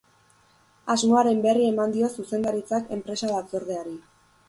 Asmoaren berri eman dio zuzendaritzak enpresa batzordeari.